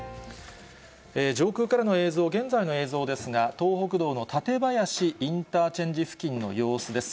上空からの映像、現在の映像ですが、東北道の館林インターチェンジ付近の様子です。